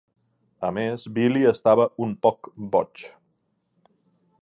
A més, Billy estava un poc boig.